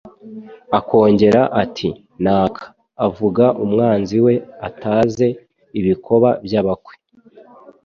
akongera ati :Naka (avuga umwanzi we )ataze ibikoba by’abakwe,